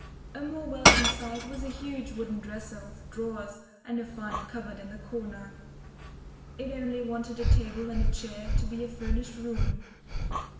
A more welcome sight was a huge wooden dresser with drawers and a fine cupboard in the corner. It only wanted a table and a chair to be a furnished room.